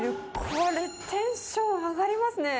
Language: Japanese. これ、テンション上がりますね。